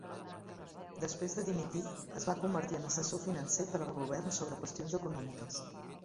Després de dimitir, es va convertir en assessor financer per al govern sobre qüestions econòmiques.